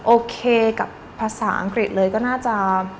โอเคกับภาษาอังกฤษเลยก็น่าจะ